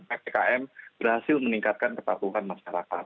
ppkm berhasil meningkatkan kepatuhan masyarakat